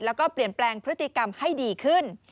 แล้วก็เปลี่ยนแปลงพฤติกรรมให้ดีขึ้น